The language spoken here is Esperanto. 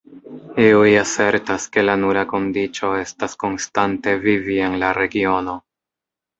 Iuj asertas ke la nura kondiĉo estas konstante vivi en la regiono.